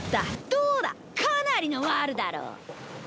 どうだ、かなりのワルだろう？